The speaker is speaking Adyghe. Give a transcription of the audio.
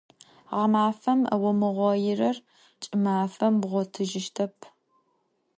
Ğemafem vumığoirer, ç'ımafem bğotıjıştep.